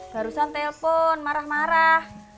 garusan telpon marah marah